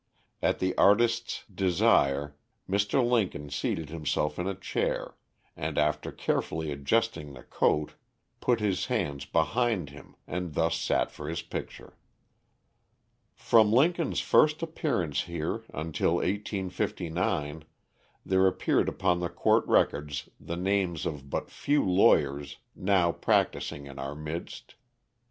At the Artist's desire, Mr. Lincoln seated himself in a chair, and after carefully adjusting the coat, put his hands behind him and thus sat for his picture. From Lincoln's first appearance here until 1859, there appear upon the court records the names of but few lawyers now practicing in our midst.